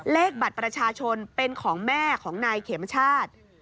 เลขบัตรประชาชนเป็นของแม่ของนายเข็มชาติ